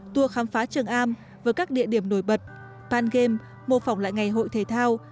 tour khám phá trường am với các địa điểm nổi bật pan game mô phỏng lại ngày hội thể thao